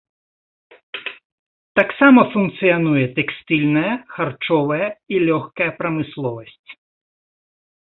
Таксама функцыянуе тэкстыльная, харчовая і лёгкая прамысловасць.